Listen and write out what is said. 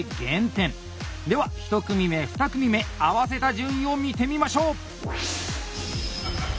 では１組目２組目合わせた順位を見てみましょう！